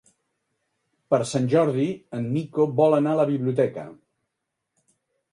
Per Sant Jordi en Nico vol anar a la biblioteca.